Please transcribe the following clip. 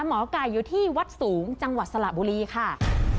หมอไก่อยู่ที่วัดสูงจังหวัดสระบุรีค่ะ